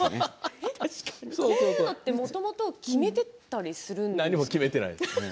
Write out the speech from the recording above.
こういうのって、もともと決めていたりするんですか？